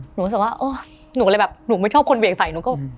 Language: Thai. หนูเศร้าเป็นว่าเฮ้ยหนูไม่ชอบคนเวียงใส